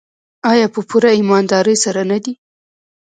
آیا په پوره ایمانداري سره نه دی؟